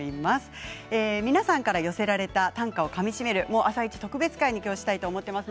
皆さんから寄せられた短歌をかみしめる「あさイチ」特別回にしたいと思います。